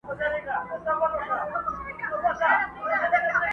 تل زبون دي په وطن کي دښمنان وي،